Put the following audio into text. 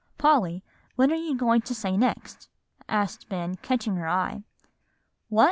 "Polly, what are you going to say next?" asked Ben, catching her eye. "What?